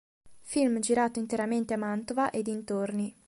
Film girato interamente a Mantova e dintorni.